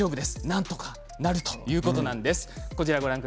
なんとかなるということなんです。